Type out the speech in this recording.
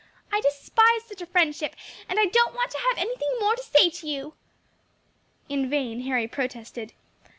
I despise such friendship, and I don't want to have anything more to say to you." In vain Harry protested.